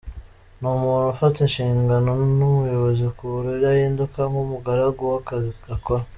Ni umuntu ufata inshingano n’ubuyobozi ku buryo ahinduka nk’umugaragu w’akazi akora.